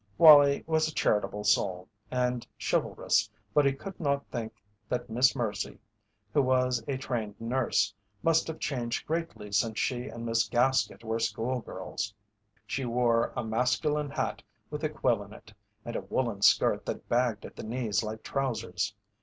Wallie was a charitable soul, and chivalrous, but he could not but think that Miss Mercy, who was a trained nurse, must have changed greatly since she and Miss Gaskett were school girls. She wore a masculine hat with a quill in it and a woollen skirt that bagged at the knees like trousers.